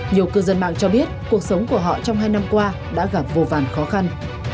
nhiều cư dân mạng cho biết cuộc sống của họ trong hai năm qua đã gặp vô vàn khó khăn